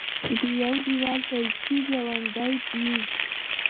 د يو دېول شریکې ګاونډۍ دي